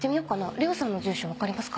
玲緒さんの住所分かりますか？